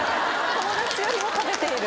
友達よりも食べている。